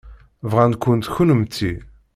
Bɣan-kent kennemti.